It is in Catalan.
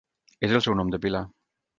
És el seu nom de pila.